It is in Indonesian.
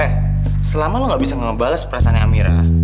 eh selama lo gak bisa ngebales perasaan amira